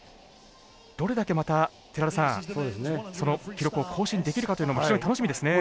どれだけまた、その記録を更新できるかというのも非常に楽しみですね。